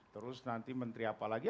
terus nanti menteri apa lagi